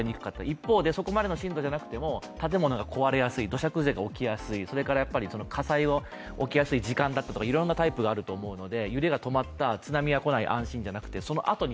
一方で、そこまでの震度じゃなくても建物が壊れやすい、火災が起きやすい、起きやすい時間だとかいろんなタイプがあると思うので。